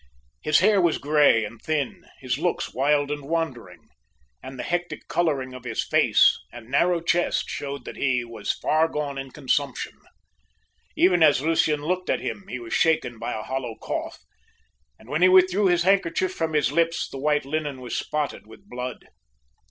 His hair was grey and thin, his looks wild and wandering, and the hectic colouring of his face and narrow chest showed that he was far gone in consumption. Even as Lucian looked at him he was shaken by a hollow cough, and when he withdrew his handkerchief from his lips the white linen was spotted with blood.